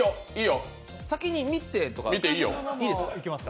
先に見てとか、いいですか？